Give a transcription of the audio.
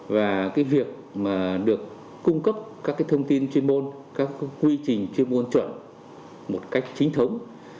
và cái việc mà được cung cấp các thông tin chuyên môn các quy trình chuyên môn chuẩn một cách chính thống